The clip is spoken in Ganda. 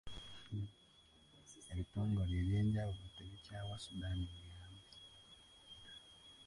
Ebitongole eby'enjawulo tebikyaawa Sudan buyambi.